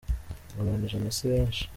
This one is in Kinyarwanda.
abantu ijana sibenshi